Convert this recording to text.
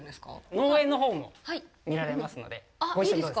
農園のほうも見られますのでご一緒にどうですか。